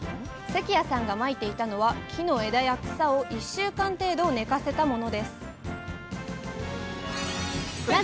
関谷さんがまいていたのは木の枝や草を１週間程度寝かせたものです。